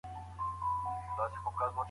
که مطالعه وکړې نو شخصیت به دې جوړ سي.